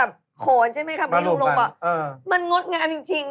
อ่าอ่า